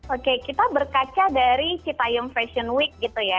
oke kita berkaca dari citayung fashion week gitu ya